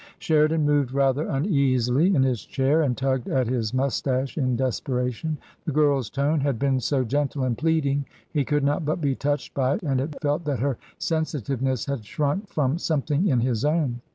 Sheridan moved rather uneasily in his chair and tugged at his moustache in desperation. The girl's tone had been so gentle and pleading he could not but be touched by it, and he felt that her sensitiveness had shrunk from something in his own.